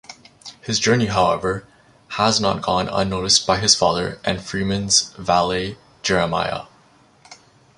His journey, however, has not gone unnoticed by his father and Freeman's valet Jeremiah.